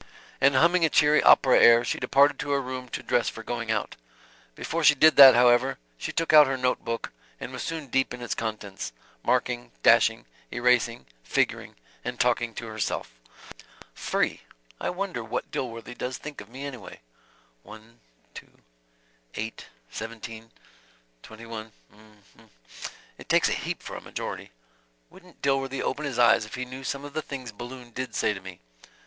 And humming a cheery opera air, she departed to her room to dress for going out. Before she did that, however, she took out her note book and was soon deep in its contents; marking, dashing, erasing, figuring, and talking to herself. "Free! I wonder what Dilworthy does think of me anyway? One ... two ... eight ... seventeen ... twenty one ... 'm'm ... it takes a heap for a majority. Wouldn't Dilworthy open his eyes if he knew some of the things Balloon did say to me.